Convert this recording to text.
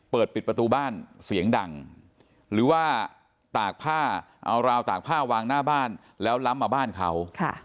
เปิดปิดประตูบ้านเสียงดังหรือว่าตากผ้าเอาราวตากผ้าวางหน้าบ้านแล้วล้ำมาบ้านเขา